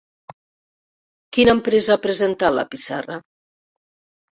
Quina empresa ha presentat la pissarra?